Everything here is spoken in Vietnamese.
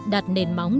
đặt nền móng